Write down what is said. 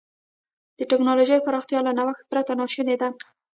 د ټکنالوجۍ پراختیا له نوښت پرته ناشونې ده.